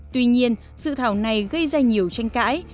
tuy nhiên dự thảo này gây ra nhiều tranh cãi